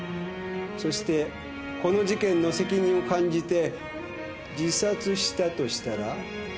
そしてこの事件の責任を感じて自殺したとしたら？まさか。